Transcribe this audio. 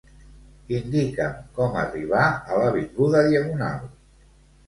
Indica'm com arribar a l'avinguda Diagonal.